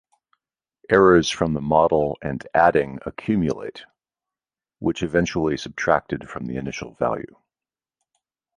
Errors from the model and adding accumulate, which eventually subtracted from the initial value.